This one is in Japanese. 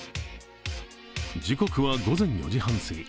時刻は午前４時半すぎ。